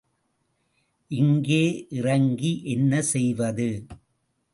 இங்கே இறங்கி என்ன செய்வது?